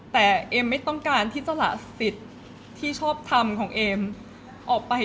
แต่เอมไม่ต้องการที่จะละสิทธิ์ที่ชอบทำของเอมออกไป